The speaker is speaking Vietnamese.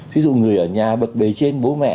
ví dụ người ở nhà bật bề trên bố mẹ